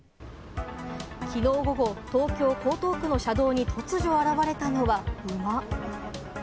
きのう午後、東京・江東区の車道に突如現れたのは馬。